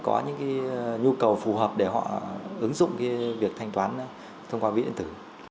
có những cái nhu cầu phù hợp để họ ứng dụng việc thanh toán thông qua ví điện tử